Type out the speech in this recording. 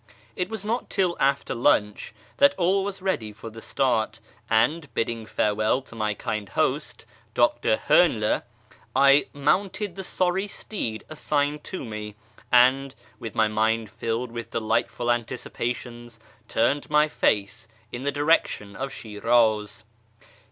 It was not till after lunch that all was ready for the start, and, bidding farewell to my kind host. Dr. Hoernle, I mounted the sorry steed assigned to me, and, with my mind filled with delightful anticipations, turned my face in the direction of Shi'raz.